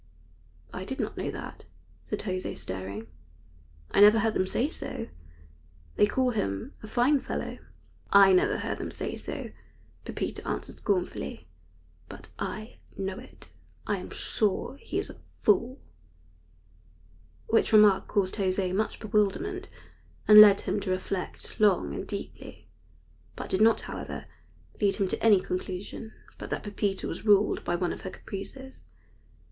"I did not know that," said José, staring. "I never heard them say so. They call him a fine fellow." "I never heard them say so," Pepita answered scornfully; "but I know it. I am sure he is a fool," which remark caused José much bewilderment, and led him to reflect long and deeply, but did not, however, lead him to any conclusion but that Pepita was ruled by one of her caprices.